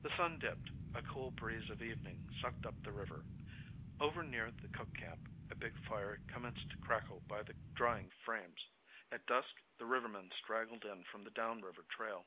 The sun dipped. A cool breeze of evening sucked up the river. Over near the cook camp a big fire commenced to crackle by the drying frames. At dusk the rivermen straggled in from the down river trail.